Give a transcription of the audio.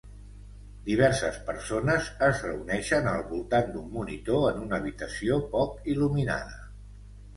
Diverses persones es reuneixen al voltant d'un monitor en una habitació poc il·luminada.